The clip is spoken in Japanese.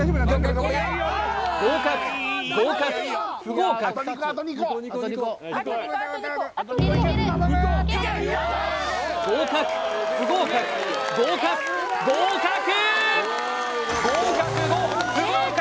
合格合格不合格合格不合格合格合格合格５不合格